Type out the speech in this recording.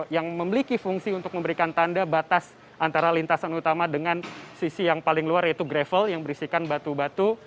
yang memiliki fungsi untuk memberikan tanda batas antara lintasan utama dengan sisi yang paling luar yaitu gravel yang berisikan batu batu